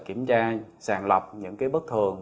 kiểm tra sàng lọc những cái bất thường